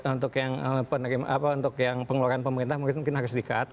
untuk yang pengeluaran pemerintah mungkin harus di cut